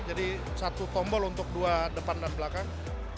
jadi satu tombol untuk dua depan dan belakang